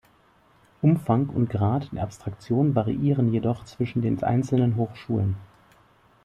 Umfang und Grad der Abstraktion variieren jedoch zwischen den einzelnen Hochschulen.